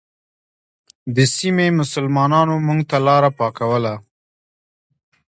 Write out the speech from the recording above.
د سیمې مسلمانانو موږ ته لاره پاکوله.